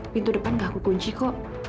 pintu depan gak aku kunci kok